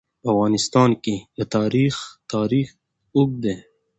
په افغانستان کې د تاریخ تاریخ اوږد دی.